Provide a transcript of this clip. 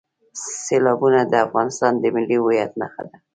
سیلابونه د افغانستان د ملي هویت نښه ده.